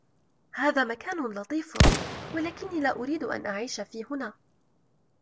هذا مكان لطيف، ولكني لا أريد أن أعيش في هنا.